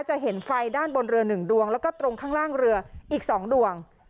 จะเห็นไฟด้านบนเรือ๑ดวงแล้วก็ตรงข้างล่างเรืออีก๒ดวง